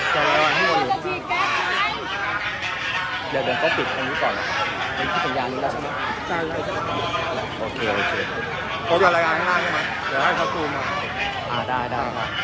โปรดการรายการข้างหน้าใช่ไหมเดี๋ยวให้เขาซูมก่อน